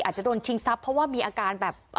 อาจจะโดนชิงทรัพย์เพราะว่ามีอาการแบบ